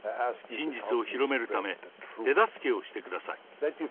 真実を広めるため、手助けをしてください。